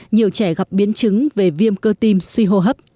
nhiều trẻ gặp biến chứng về viêm cơ tim suy hô hấp